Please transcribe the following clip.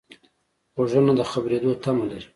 غوږونه د خبرېدو تمه لري